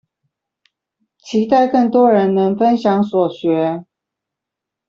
期待更多人能分享所學